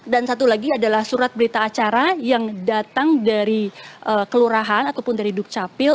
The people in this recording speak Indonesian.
dan satu lagi adalah surat berita acara yang datang dari kelurahan ataupun dari dukcapil